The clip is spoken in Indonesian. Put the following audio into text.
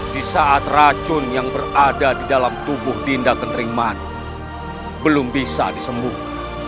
di saat racun yang berada di dalam tubuh dinda keterimaan belum bisa disembuhkan